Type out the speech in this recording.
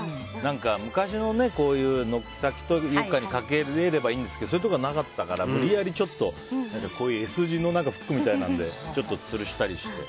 昔の軒先とかにかけられればいいんですけどそういうところがなかったから無理やりＳ字のフックみたいなものでつるしたりして。